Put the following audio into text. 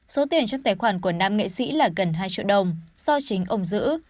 số tiền trong tài khoản của nam nghệ sĩ là gần hai triệu đồng do chính ông giữ